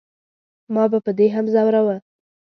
ما به په دې هم زوراوه.